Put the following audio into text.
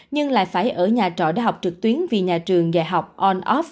nhưng lại phải ở nhà trọ đã học trực tuyến vì nhà trường dạy học on off